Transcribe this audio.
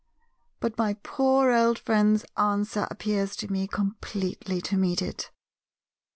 But my poor old friend's answer appears to me completely to meet it.